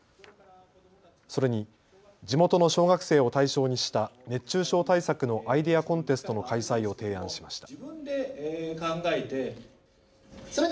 それに地元の小学生を対象にした熱中症対策のアイデアコンテストの開催を提案しました。